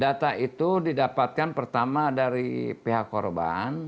data itu didapatkan pertama dari pihak korban